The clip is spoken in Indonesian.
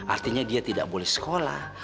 artinya dia tidak boleh sekolah